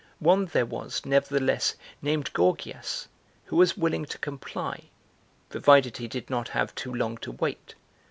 One there was, nevertheless, named) Gorgias, who was willing to comply, (provided he did not have too long to wait!